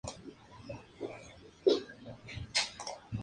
Para el H son posibles dos configuraciones distintas llamadas orto y para.